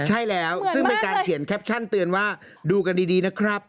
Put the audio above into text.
ใช่แล้วซึ่งเป็นการเขียนแคปชั่นเตือนว่าดูกันดีนะครับ